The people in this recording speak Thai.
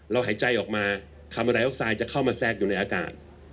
หายใจออกมาคำอะไรออกไซด์จะเข้ามาแทรกอยู่ในอากาศ